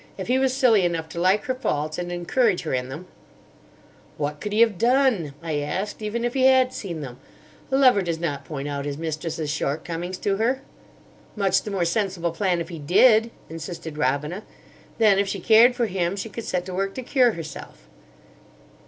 "If he was silly enough to like her faults, and encourage her in them—" "What could he have done," I asked, "even if he had seen them? A lover does not point out his mistress's shortcomings to her." "Much the more sensible plan if he did," insisted Robina. "Then if she cared for him she could set to work to cure herself."